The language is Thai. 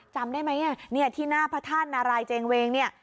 จำได้ไหมนี่ที่หน้าพระท่านนารายเจงเวง